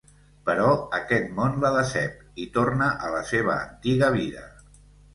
Però aquest món la decep, i torna a la seva antiga vida.